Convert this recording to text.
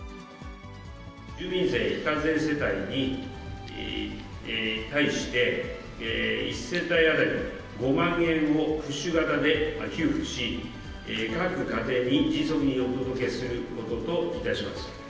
住民税非課税世帯に対して、１世帯当たり５万円をプッシュ型で給付し、各家庭に迅速にお届けすることといたします。